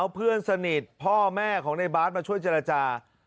เพื่อนสนิทพ่อแม่ของในบาสมาช่วยเจรจา